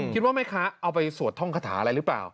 คิดว่าแม่ค้าเอาไปสวดท่องคาถาอะไรหรือเปล่า